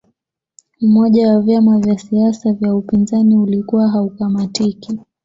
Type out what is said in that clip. umoja wa vyama vya siasa vya upinzani ulikuwa haukamatiki